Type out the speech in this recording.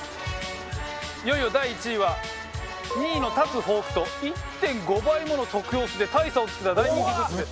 いよいよ第１位は２位の立つほうきと１．５倍もの得票数で大差をつけた大人気グッズです。